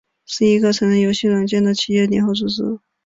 是一个成人游戏软体的企业联合组织。